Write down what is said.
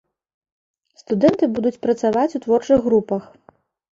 Студэнты будуць працаваць у творчых групах.